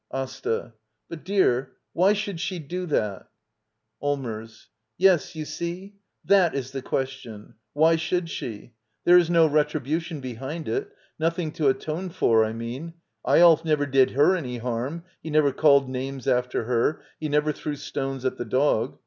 AsTA. But, dear, why should she do that? Allmers. Yes, you see — that is the question! Why should she? There is no retribution behind it — nothing to atone for, I mean. Eyolf never did her any harm. He never called names after her ; he never threw stones at the dog.